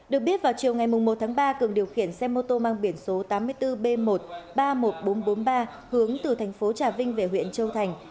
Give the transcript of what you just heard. được biết vào chiều ngày một tháng ba cường điều khiển xe mô tô mang biển số tám mươi bốn b một ba mươi một nghìn bốn trăm bốn mươi ba hướng từ thành phố trà vinh về huyện châu thành